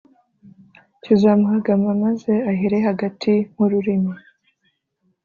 kizamuhagama maze ahere hagati nkururimi